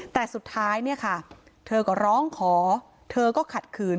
แต่สุดท้ายเนี่ยค่ะเธอก็ร้องขอเธอก็ขัดขืน